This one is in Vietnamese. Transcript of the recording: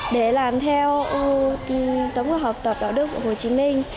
để làm theo tổng hợp tập đạo đức của hồ chí minh